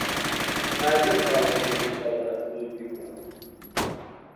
مجلس قوانین کشور را تصویب میکند